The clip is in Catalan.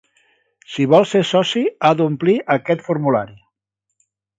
Si vol ser soci, ha d'omplir aquest formulari.